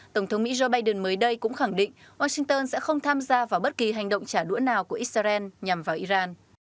tổng thống mỹ joe biden mới đây cũng khẳng định washington sẽ không tham gia vào bất kỳ hành động trả đũa nào của israel nhằm vào iran